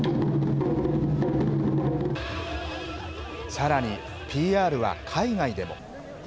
さらに、ＰＲは海外でも。